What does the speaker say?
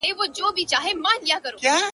o په سبب د لېونتوب دي پوه سوم یاره,